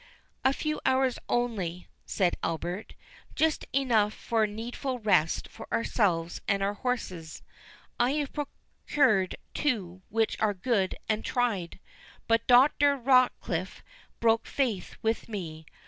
"A few hours only," said Albert—"just enough for needful rest for ourselves and our horses. I have procured two which are good and tried. But Doctor Rochecliffe broke faith with me.